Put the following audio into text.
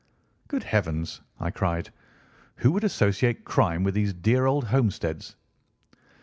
"Good heavens!" I cried. "Who would associate crime with these dear old homesteads?"